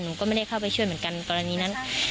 หนูก็ไม่ได้เข้าไปช่วยเหมือนกันกรณีนั้น